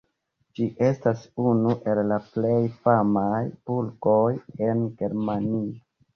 Ĝi estas unu el la plej famaj burgoj en Germanio.